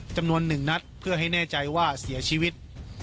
จำนวน๑นัดเพื่อให้แน่ใจว่าเสียชีวิต